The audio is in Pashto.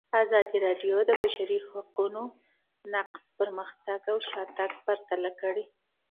ازادي راډیو د د بشري حقونو نقض پرمختګ او شاتګ پرتله کړی.